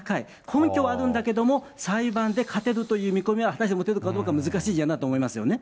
根拠はあるんだけれども、裁判で勝てるという見込みは、果たして持てるかどうか難しいかなと思いますよね。